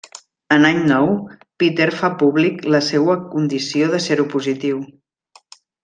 En any nou, Peter fa públic la seua condició de seropositiu.